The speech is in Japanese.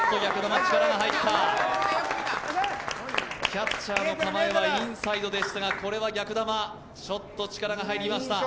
キャッチャーの構えはインサイドでしたがこれは逆球、ちょっと力が入りました。